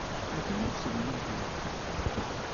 Atan uselmad-nteɣ.